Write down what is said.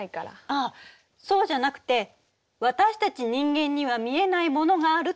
あっそうじゃなくて私たち人間には見えないものがあるっていう話。